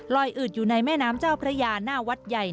อืดอยู่ในแม่น้ำเจ้าพระยาหน้าวัดใหญ่